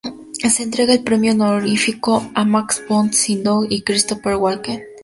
Se entrega el Premio Honorífico a Max von Sydow y Christopher Walken.